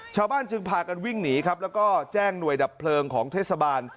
ชาวบ้านจึงพากันวิ่งหนีครับแล้วก็แจ้งหน่วยดับเพลิงของเทศบาล